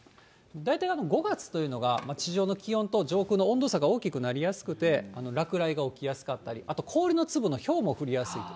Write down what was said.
大体、５月というのが地上の気温と上空の温度差が大きくなりやすくて、落雷が起きやすかったり、あと氷の粒のひょうも降りやすいと。